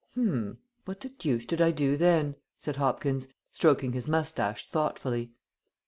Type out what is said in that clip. "Hm! what the deuce did I do then?" said Hopkins, stroking his moustache thoughtfully.